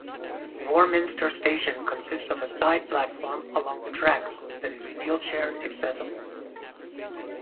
Warminster station consists of a side platform along the tracks that is wheelchair accessible.